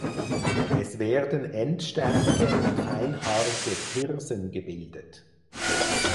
Es werden endständige und feinhaarige Thyrsen gebildet.